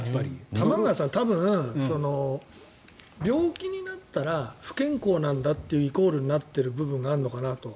玉川さん多分、病気になったら不健康なんだというイコールになっている部分があるのかなと。